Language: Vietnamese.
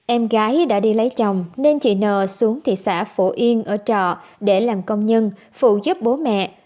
em gái đã đi lấy chồng nên chị nờ xuống thị xã phổ yên ở trọ để làm công nhân phụ giúp bố mẹ